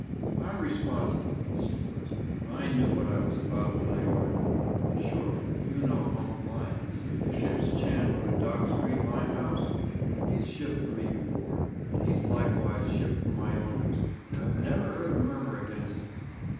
I'm responsible for the stores. I knew what I was about when I ordered them. Surely you know Humph Lyons, the ships' chandler in Dock Street, Limehouse? He's shipped for me before, and he's likewise shipped for my owners, and I've never heard a murmur against him.'